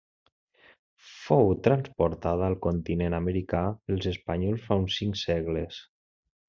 Fou transportada al continent americà pels espanyols fa uns cinc segles.